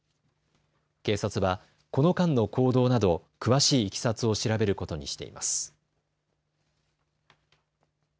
警察はこの間の行動など詳しいいきさつを調べることにしています。